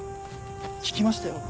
聞きましたよ。